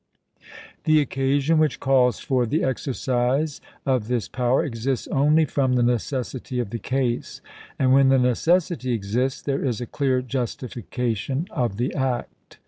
The occasion which calls for the exercise of this power exists only from the necessity of the case ; and when the necessity exists there is a clear justification of the act.